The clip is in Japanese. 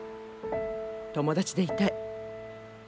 友達でいたい。